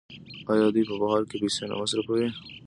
آیا دوی په بهر کې پیسې نه مصرفوي؟